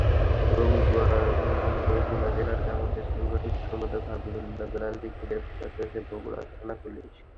বরগুনা জেলা জামায়াতের সাংগঠনিক সম্পাদক হাবিবুল্লাহ বেলালীকে গ্রেপ্তার করেছে বরগুনা থানার পুলিশ।